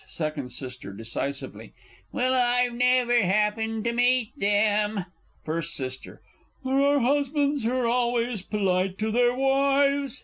Second S. (decisively). Well, I've never happened to meet them! First S. There are husbands who're always polite to their wives.